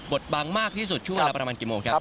ดบังมากที่สุดช่วงเวลาประมาณกี่โมงครับ